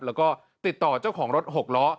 แล้วก็ติดต่อเจ้าของรถหกล้อ